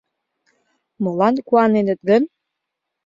Молан куаненыт гын?..